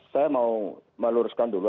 saya mau meluruskan dulu